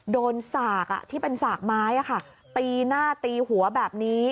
สากที่เป็นสากไม้ตีหน้าตีหัวแบบนี้